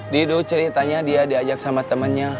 didu ceritanya dia diajak sama temennya